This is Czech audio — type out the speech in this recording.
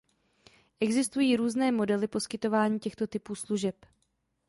Existují různé modely poskytování těchto typů služeb.